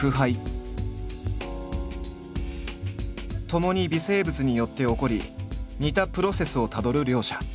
ともに微生物によって起こり似たプロセスをたどる両者。